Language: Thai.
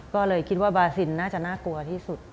ก็เลยคิดว่าบาซินน่าจะน่ากลัวที่สุด